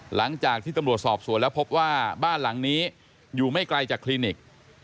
หลังจากที่ตำรวจสอบสวนแล้วพบว่าบ้านหลังนี้อยู่ไม่ไกลจากคลินิก